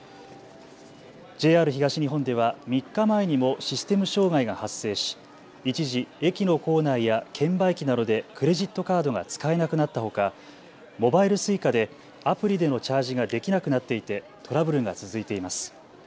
ＪＲ東日本では３日前にもシステム障害が発生し一時、駅の構内や券売機などでクレジットカードが使えなくなったほかモバイルＳｕｉｃａでアプリでのチャージができなくなっていてトラブルが続いています。